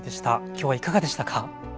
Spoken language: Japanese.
今日はいかがでしたか？